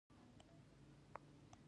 ښځې خپلو ټولو شرعي حقونو ته لاسرسی لري.